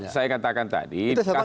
saya katakan tadi